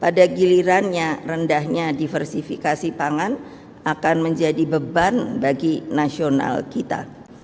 pada gilirannya rendahnya diversifikasi pangan akan menjadi beban bagi nasional kita